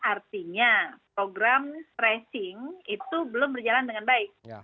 artinya program tracing itu belum berjalan dengan baik